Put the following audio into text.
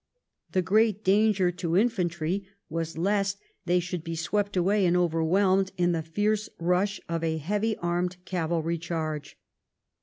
The great danger to infantry was lest they should be swept away and over whelmed in the fierce rush of a heavy armed cavalry charge.